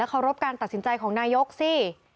เคารพการตัดสินใจของนายกสิ